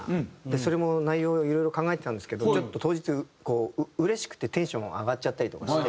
それも内容いろいろ考えてたんですけどちょっと当日うれしくてテンションも上がっちゃったりとかして。